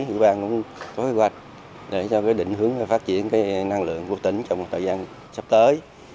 quỹ ban cũng có kế hoạch để cho định hướng phát triển năng lượng của tỉnh trong thời gian sắp tới